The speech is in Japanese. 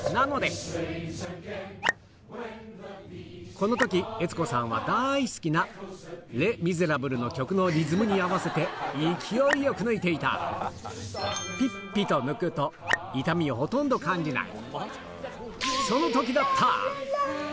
この時えつこさんは大好きな『レ・ミゼラブル』の曲のリズムに合わせて勢いよく抜いていたピッピッと抜くと痛みをほとんど感じない